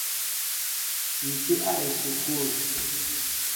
Ǹ tí a esukul.